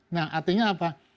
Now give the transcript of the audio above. nah artinya apa